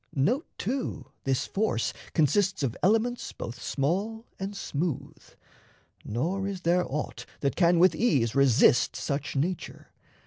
Note, too, this force consists of elements Both small and smooth, nor is there aught that can With ease resist such nature.